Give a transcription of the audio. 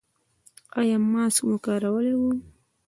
ایا ماسک مو کارولی و؟